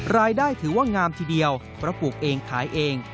รายได้ถือว่างามทีเดียวเพราะปลูกเองขายเอง